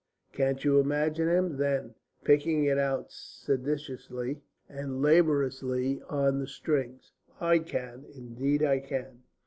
Can't you imagine him, then, picking it out sedulously and laboriously on the strings? I can. Indeed, I can."